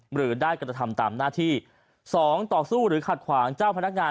หรือได้กระทำตามหน้าที่๒ต่อสู้หรือขัดขวางเจ้าพนักงาน